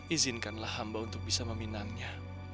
izinkanlah hamba untuk bisa meminangnya